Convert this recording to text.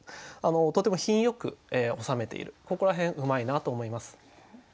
とても品よく収めているここら辺うまいなと思います。